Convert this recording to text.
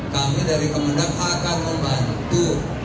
kami dari kemendak akan membantu